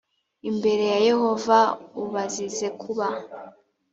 imbere ya yehova u bazize kuba